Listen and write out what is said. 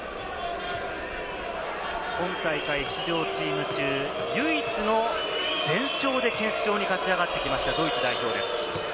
今大会出場チーム中、唯一の全勝で決勝に勝ち上がってきましたドイツ代表です。